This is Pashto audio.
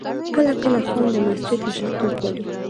کله کله خان د مسجد مشرتوب غواړي.